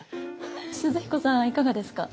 寿々彦さんはいかがですか？